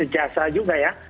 jasa juga ya